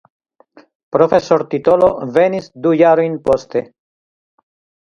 Profesortitolo venis du jarojn poste.